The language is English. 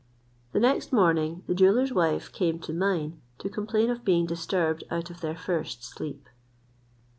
The next morning the jeweller's wife came to mine to complain of being disturbed out of their first sleep.